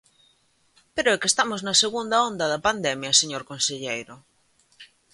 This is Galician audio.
¡Pero é que estamos na segunda onda da pandemia, señor conselleiro!